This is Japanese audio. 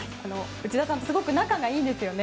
内田さんとすごく仲がいいんですよね。